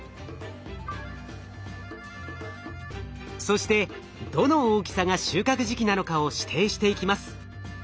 そしてどの大きさが収穫時期なのかを指定していきます。